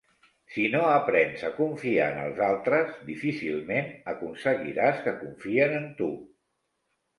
Si no aprens a confiar en els altres, difícilment aconseguiràs que confien en tu.